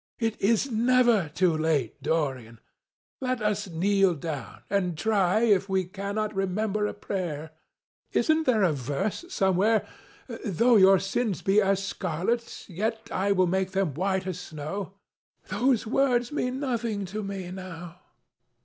"It is never too late, Dorian. Let us kneel down and try if we cannot remember a prayer. Isn't there a verse somewhere, 'Though your sins be as scarlet, yet I will make them as white as snow'?" "Those words mean nothing to me now."